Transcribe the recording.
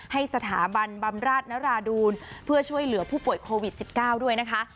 ให้สถาบันบำราชนราดูลเพื่อช่วยเหลือผู้ป่วยโควิด๑๙ด้วยนะคะ